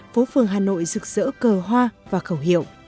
phố phường hà nội rực rỡ cờ hoa và khẩu hiệu